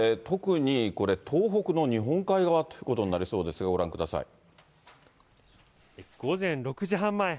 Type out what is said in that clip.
特に東北の日本海側ということになりそうですが、午前６時半前。